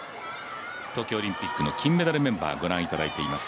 東京オリンピックの金メダルメンバーご覧いただいています。